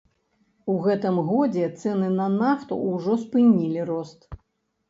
У гэтым годзе цэны на нафту ўжо спынілі рост.